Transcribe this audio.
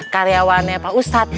karyawannya pak ustadz